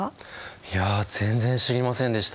いや全然知りませんでした。